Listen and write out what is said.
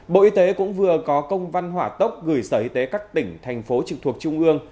bộ y tế cũng vừa có công văn hỏa tốc gửi sở y tế các tỉnh thành phố trực thuộc trung ương